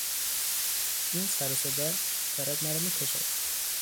این سروصدا دارد مرا میکشد!